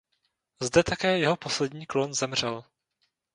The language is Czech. Zde také jeho poslední klon zemřel.